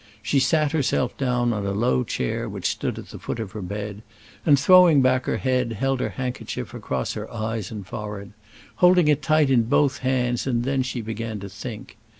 She sat herself down on a low chair, which stood at the foot of her bed, and, throwing back her head, held her handkerchief across her eyes and forehead, holding it tight in both her hands; and then she began to think.